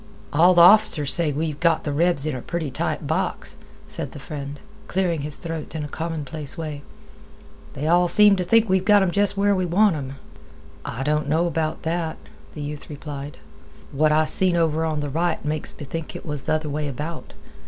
"All th' officers say we've got th' rebs in a pretty tight box," said the friend, clearing his throat in a commonplace way. "They all seem t' think we've got 'em jest where we want 'em." "I don't know about that," the youth replied. "What I seen over on th' right makes me think it was th' other way about.